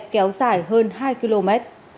kéo dài hơn hai km